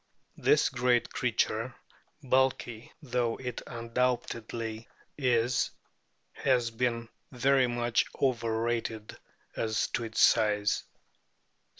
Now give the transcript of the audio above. This great creature, bulky though it undoubtedly is, has been very much over rated as to its size.